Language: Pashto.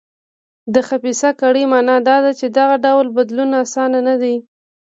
د خبیثه کړۍ معنا دا ده چې دغه ډول بدلون اسانه نه دی.